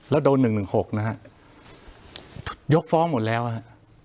แล้วโดนหนึ่งหนึ่งหกนะฮะยกฟ้องหมดแล้วอ่ะ